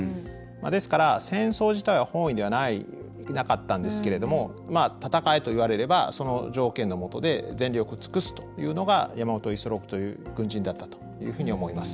ですから戦争自体は本意ではなかったんですけれども戦えと言われればその条件のもとで全力を尽くすというのが山本五十六という軍人だったというふうに思います。